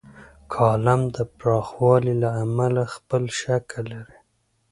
کالم د پراخوالي له امله خپل شکل لري.